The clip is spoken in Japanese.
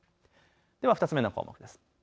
２つ目の項目です。